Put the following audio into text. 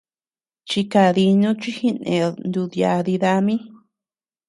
Chikadinu chi jined nuduyadi dami.